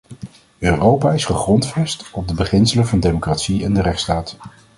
Europa is gegrondvest op de beginselen van democratie en de rechtsstaat.